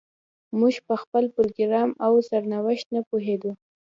موږ په خپل پروګرام او سرنوشت نه پوهېدو.